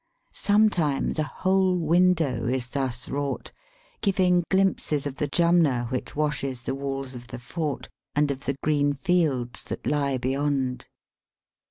Some times a whole window is thus wrought, giving glimpses of the Jumna which washes the walls of the fort, and of the green fields that lie beyond.